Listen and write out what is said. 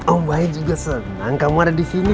om bayi juga senang kamu ada di sini